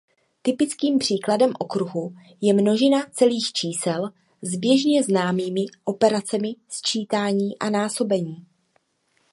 Typickým příkladem okruhu je množina celých čísel s běžně známými operacemi sčítání a násobení.